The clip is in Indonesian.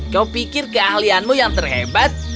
kau pikir keahlianmu yang terhebat